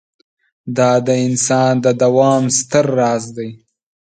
دا د انسان د دوام ستر راز دی.